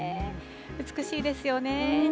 美しいですよね。